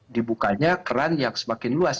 dibukanya keran yang semakin luas